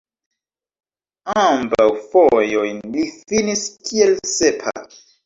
Ambaŭ fojojn li finis kiel sepa.